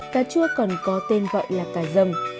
cà chua còn có tên gọi là cà dâm